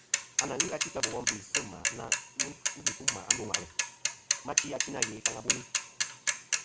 À nà ghɨ achi ta bò wom bê sɨ̂ mà na yi n-nî tum mà a ndô ŋwàʼlɨ, ma chi achi nâ ghè faŋ tɨ̀ buni.